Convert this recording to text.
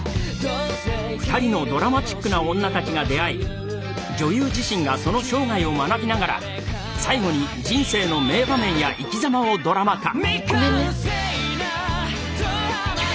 ２人のドラマチックなオンナたちが出会い女優自身がその生涯を学びながら最後に人生の名場面や生きざまをドラマ化。